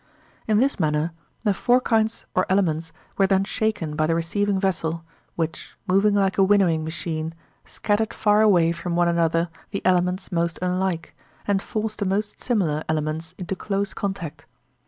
In this manner, the four kinds or elements were then shaken by the receiving vessel, which, moving like a winnowing machine, scattered far away from one another the elements most unlike, and forced the most similar elements into close contact.